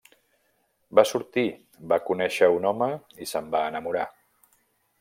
Va sortir, va conèixer un home i se'n va enamorar.